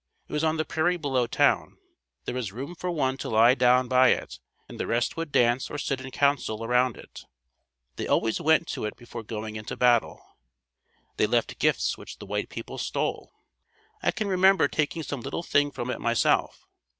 It was on the prairie below town. There was room for one to lie down by it and the rest would dance or sit in council around it. They always went to it before going into battle. They left gifts which the white people stole. I can remember taking some little thing from it myself.